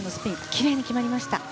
きれいに決まりました。